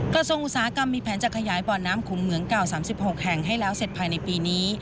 กระทรวงอุตสาหกรรมมีแผนจะขยายบ่อน้ำขุมเหมืองเก่า๓๖แห่งให้แล้วเสร็จภายในปีนี้